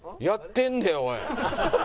やってんでおい。